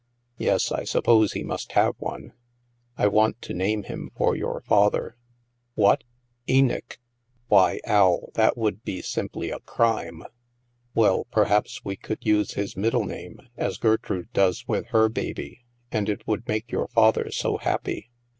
" Yes, I suppose he must have one.'* " I want to name him for your father." "What? Enoch? Why, Al, that would be simply a crime." " Well, perhaps we could use his middle name, as Gertrude does with her baby. And it would make your father so happy."